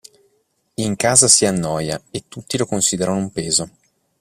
In casa si annoia e tutti lo considerano un peso.